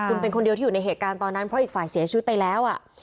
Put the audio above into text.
คุณเป็นคนเดียวที่อยู่ในเหตุการณ์ตอนนั้นเพราะอีกฝ่ายเสียชีวิตไปแล้ว